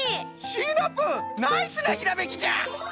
シナプーナイスなひらめきじゃ！